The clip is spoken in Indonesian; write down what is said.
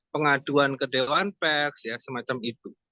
pengaduan kederuan peks ya semacam itu